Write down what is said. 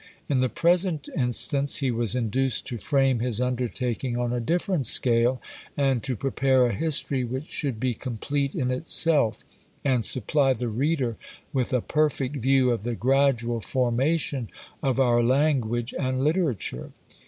In the present instance he was induced to frame his undertaking on a different scale, and to prepare a history which should be complete in itself, and supply the reader with a perfect view of the gradual formation of our language and literature.